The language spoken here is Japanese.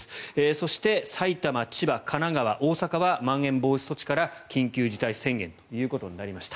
そして埼玉、千葉、神奈川、大阪はまん延防止措置から緊急事態宣言ということになりました。